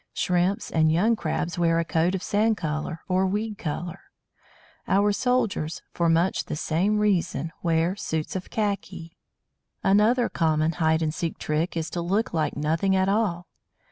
Shrimps and young Crabs wear a coat of sand colour or weed colour. Our soldiers, for much the same reason, wear suits of khaki. Another common hide and seek trick is to look like nothing at all.